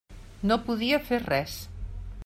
No podia fer res.